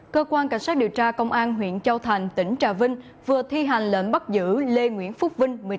cơ quan cảnh sát điều tra công an huyện châu thành tỉnh trà vinh vừa thi hành lệnh bắt giữ lê nguyễn phúc vinh